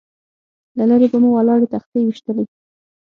له لرې به مو ولاړې تختې ويشتلې.